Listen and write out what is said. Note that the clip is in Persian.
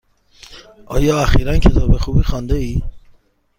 آیا اخیرا کتاب خوبی خوانده ای؟